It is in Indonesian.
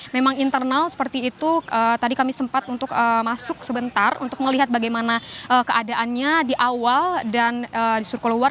memang internal seperti itu tadi kami sempat untuk masuk sebentar untuk melihat bagaimana keadaannya di awal dan disuruh keluar